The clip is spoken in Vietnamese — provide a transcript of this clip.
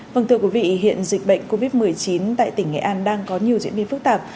vâng thưa quý vị hiện dịch bệnh covid một mươi chín tại tỉnh nghệ an đang có nhiều diễn biến phức tạp